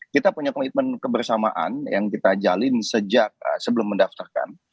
kita punya komitmen kebersamaan yang kita jalin sejak sebelum mendaftarkan